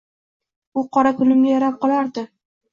U qora kunimga yarab qolardi.